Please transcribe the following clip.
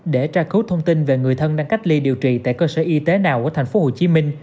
để tra cứu thông tin về người thân đang cách ly điều trị tại cơ sở y tế nào của tp hcm